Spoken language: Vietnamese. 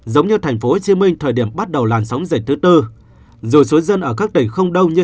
giống như tp hcm thời điểm bắt đầu làn sóng dịch thứ tư dù số dân ở các tỉnh không đông như